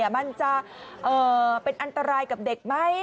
มันจะเป็นอันตรายกับเด็กไหม